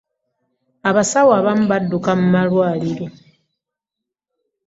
abasawo abamu badduka mu malwaliro.